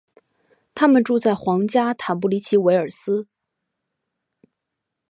他们住在皇家坦布里奇韦尔斯。